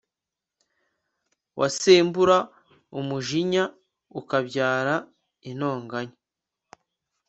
wasembura umujinya ukabyara intonganya